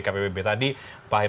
pak hikmanto katakan tidak tetap